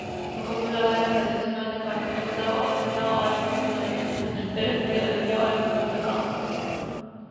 حکم لگانا، فیصلہ سنانا، قانون وضع کرنا اورفتویٰ جاری کرنا درحقیقت، عدلیہ اور حکومت کا کام ہے